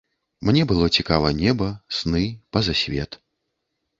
Мне было цікава неба, сны, пазасвет.